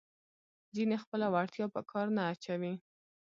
ځینې خپله وړتیا په کار نه اچوي.